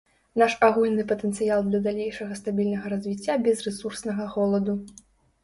Наш агульны патэнцыял для далейшага стабільнага развіцця без рэсурснага голаду.